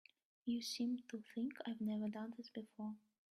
You seem to think I've never done this before.